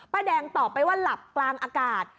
แดงตอบไปว่าหลับกลางอากาศ